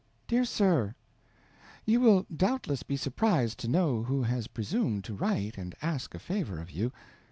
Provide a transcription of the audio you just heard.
Dear Sir, You will doubtless be surprised to know who has presumed to write and ask a favor of you.